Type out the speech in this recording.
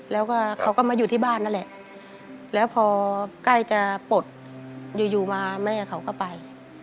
แล้วก็เขาก็มาอยู่ที่บ้านนั่นแหละแล้วพอใกล้จะปลดอยู่มาแม่เขาก็ไป